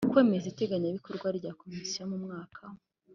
Kwemeza iteganyabikorwa rya Komisiyo mu mwaka